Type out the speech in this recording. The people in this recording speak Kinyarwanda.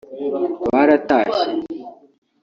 baratashye